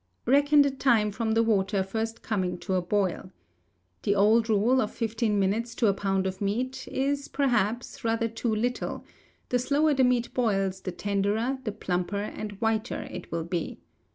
Reckon the time from the water first coming to a boil. The old rule, of fifteen minutes to a pound of meat, is, perhaps, rather too little; the slower the meat boils, the tenderer, the plumper, and whiter it will be.